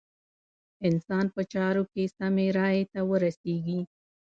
انسان په چارو کې سمې رايې ته ورسېږي.